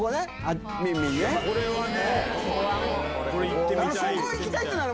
これはね。